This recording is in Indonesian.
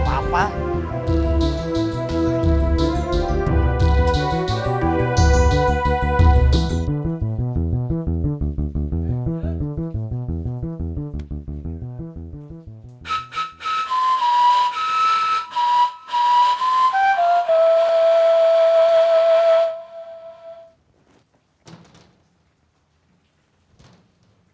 bakal keren banget